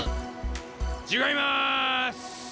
違います！